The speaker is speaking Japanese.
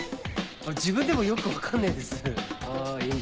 自分でもよく分かんねえですはい。